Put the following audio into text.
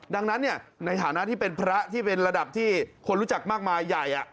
ดังนั้นในฐานะที่เป็นพระที่เป็นระดับที่คนรู้จักมากมายใหญ่